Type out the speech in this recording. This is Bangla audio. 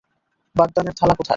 বাগদানের থালা কোথায়?